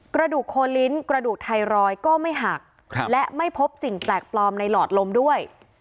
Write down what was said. กระดูกโคลิ้นกระดูกไทรอยด์ก็ไม่หักและไม่พบสิ่งแปลกปลอมในหลอดลมด้วย